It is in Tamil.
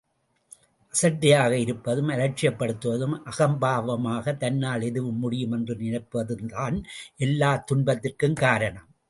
அசட்டையாக இருப்பதும், அலட்சியப் படுத்துவதும், அகம்பாவமாக தன்னால் எதுவும் முடியும் என்று நினைப்பதும் தான் எல்லாத் துன்பத்திற்கும் காரணம்.